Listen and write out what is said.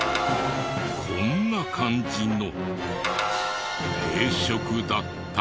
こんな感じの定食だった。